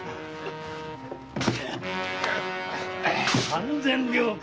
三千両か。